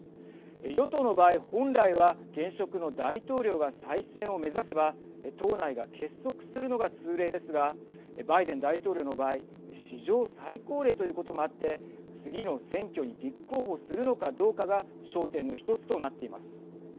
与党の場合、本来は現職の大統領が再選を目指せば党内が結束するのが通例ですがバイデン大統領の場合史上最高齢ということもあって次の選挙に立候補するのかどうかが焦点の１つとなっています。